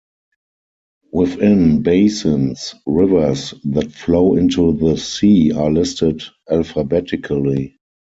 Within basins, rivers that flow into the sea are listed alphabetically.